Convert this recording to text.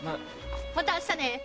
また明日ね。